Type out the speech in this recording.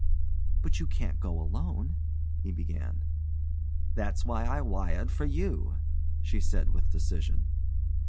"But you can't go alone " he began. "That's why I wired for you," she said with decision.